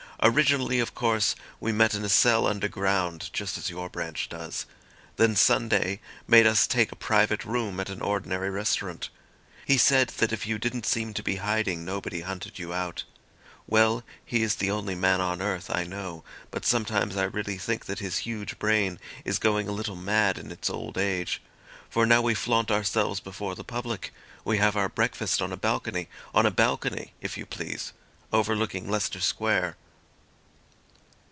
Originally, of course, we met in a cell underground, just as your branch does. Then Sunday made us take a private room at an ordinary restaurant. He said that if you didn't seem to be hiding nobody hunted you out. Well, he is the only man on earth, I know; but sometimes I really think that his huge brain is going a little mad in its old age. For now we flaunt ourselves before the public. We have our breakfast on a balcony—on a balcony, if you please—overlooking Leicester Square."